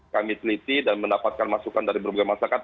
kami teliti dan mendapatkan masukan dari berbagai masyarakat